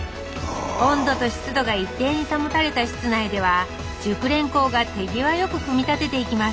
温度と湿度が一定に保たれた室内では熟練工が手際よく組み立てていきます